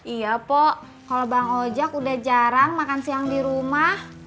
iya pok kalau bang ojek udah jarang makan siang di rumah